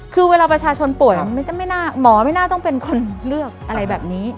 คือเวลาประชาชนป่วยหมอไม่น่าต้องเป็นคนเลือกอะไรแบบนี้